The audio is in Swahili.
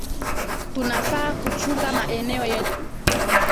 Tunafaa kuchunga maeneo yetu